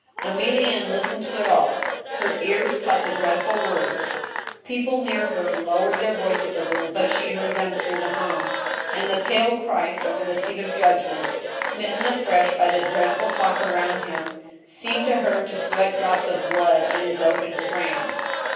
EmUienne listened to it all. Her ears caught the dreadful words. People near her lowered their voices a little, but she heard them through the hum ; and the pale Christ over the seat of judgment, smitten afresh by the dreadful talk around Him, seemed to her to sweat drops of blood in His oaken frame.